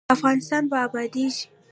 افغانستان به ابادیږي